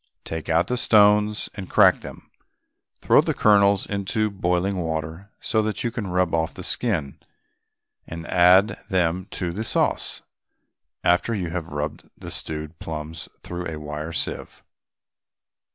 Take out the stones and crack them. Throw the kernels into boiling water so that you can rub off the skin, and add them to the sauce after you have rubbed the stewed plums through a wire sieve.